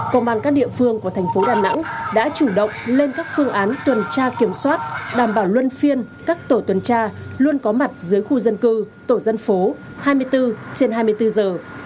công an các địa phương của thành phố đà nẵng đã chủ động lên các phương án tuần tra kiểm soát đảm bảo luân phiên các tổ tuần tra luôn có mặt dưới khu dân cư tổ dân phố hai mươi bốn trên hai mươi bốn giờ